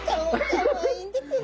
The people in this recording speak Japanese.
かわいいんですね。